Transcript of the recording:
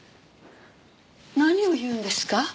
何を言うんですか？